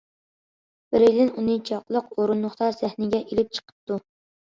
بىرەيلەن ئۇنى چاقلىق ئورۇندۇقتا سەھنىگە ئېلىپ چىقىپتۇ.